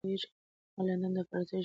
ما لندن کې د مسافرۍ ژوند کاوه.